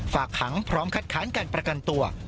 ฝากขังพร้อมคัดค้านการประกันตัว